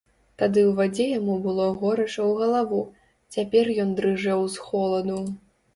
Тады ў вадзе яму было горача ў галаву, цяпер ён дрыжэў з холаду.